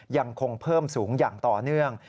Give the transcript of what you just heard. ยังคงเพิ่มสูงอย่างต่อเนื่อง